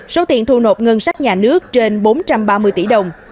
số tiền thu nộp ngân sách nhà nước trên bốn trăm ba mươi tỷ đồng